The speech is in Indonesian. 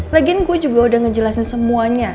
lagiin gue juga udah ngejelasin semuanya